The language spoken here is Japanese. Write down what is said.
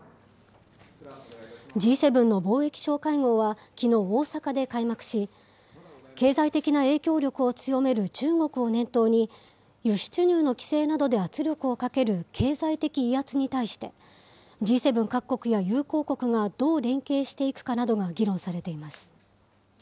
Ｇ７の貿易相会合はきのう、大阪で開幕し、経済的な影響力を強める中国を念頭に、輸出入の規制などで圧力をかける経済的威圧に対して、Ｇ７各国や友好国がどう連携していくかなどが議論されています。